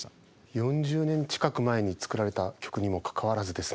４０年近く前に作られた曲にもかかわらずですね